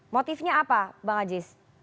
motifnya apa bang haji